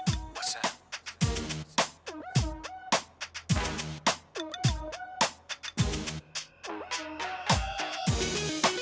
อาร์ปศรีอิสติมาเท่าไหร่